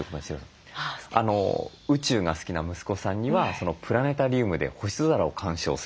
宇宙が好きな息子さんにはプラネタリウムで星空を観賞する。